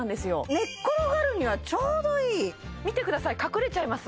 寝っ転がるにはちょうどいい見てください隠れちゃいます